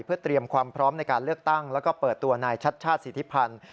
เพื่อเตรียมความพร้อมในการเลือกตั้งแล้วก็เปิดตัวนายชัดชาติสิทธิพันธ์